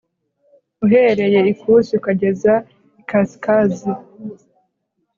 uhereye ikusi ukageza ikasikazi